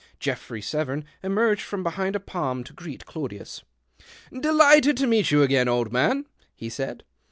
Geoffrey Severn emerged from behind a palm to greet Claudius. "Delighted to meet you again, old man," he said.